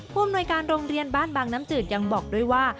อำนวยการโรงเรียนบ้านบางน้ำจืดยังบอกด้วยว่า